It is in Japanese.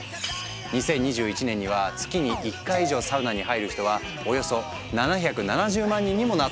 ２０２１年には月に１回以上サウナに入る人はおよそ７７０万人にもなっているんだとか。